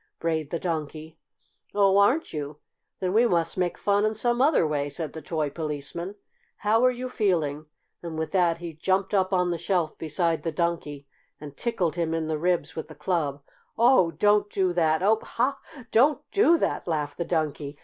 brayed the Donkey. "Oh, aren't you? Then we must make fun in some other way," said the toy Policeman. "How are you feeling?" and with that he jumped up on the shelf beside the Donkey and tickled him in the ribs with the club. "Oh, don't do ha! ha! Don't ha! ha! do that!" laughed the Donkey.